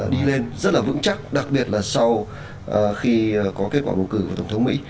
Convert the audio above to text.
đi lên rất là vững chắc đặc biệt là sau khi có kết quả bầu cử của tổng thống mỹ